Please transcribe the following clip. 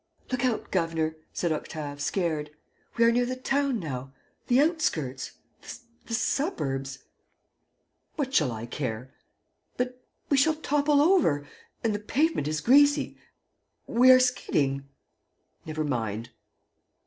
"Look out, governor," said Octave, scared, "we are near the town now. ... the outskirts ... the suburbs. ..." "What shall I care?" "But we shall topple over. ... And the pavement is greasy ... we are skidding. ..." "Never mind."